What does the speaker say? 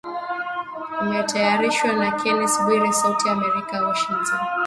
Imetayarishwa na Kennes Bwire sauti ya amerika Washington